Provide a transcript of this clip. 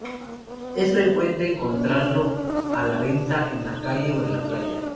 Es frecuente encontrarlo a la venta en la calle o en la playa.